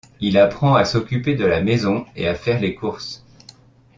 Il apprend à s'occuper de la maison et à faire les courses.